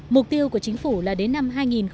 mục tiêu của chính phủ là đến năm hai nghìn hai mươi